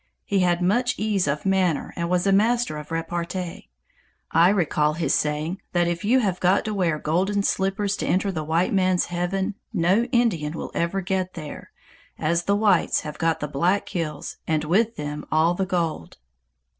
He had much ease of manner and was a master of repartee. I recall his saying that if you have got to wear golden slippers to enter the white man's heaven no Indian will ever get there, as the whites have got the Black Hills and with them all the gold.